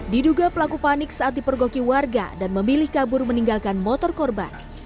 diduga pelaku panik saat dipergoki warga dan memilih kabur meninggalkan motor korban